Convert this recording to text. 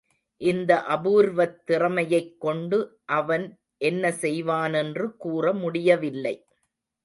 இந்த அபூர்வத் திறமையைக் கொண்டு அவன் என்ன செய்வானென்று கூற முடியவில்லை.